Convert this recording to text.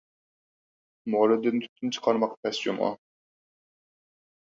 مورىدىن تۈتۈن چىقارماق تەس جۇمۇ!